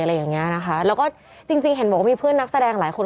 แล้วก็จริงเห็นบอกว่ามีเพื่อนนักแสดงหลายคน